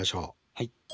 はい。